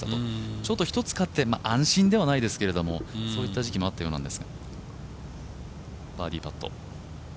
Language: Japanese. ちょっと１つ勝って安心ではないですけど、そういった時期もあったようです。